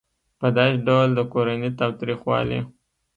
په داسې ډول د کورني تاوتریخوالي